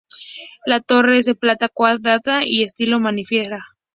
La torre es de planta cuadrada y estilo manierista.